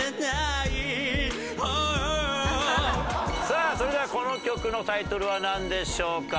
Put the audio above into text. さあそれではこの曲のタイトルはなんでしょうか？